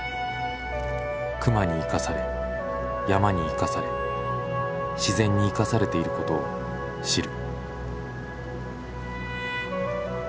熊に生かされ山に生かされ自然に生かされていることを知る。